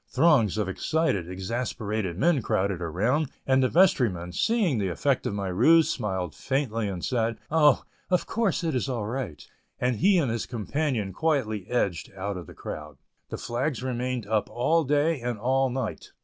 Throngs of excited, exasperated men crowded around, and the vestryman, seeing the effect of my ruse, smiled faintly and said, "Oh, of course it is all right," and he and his companion quietly edged out of the crowd. The flags remained up all day and all night.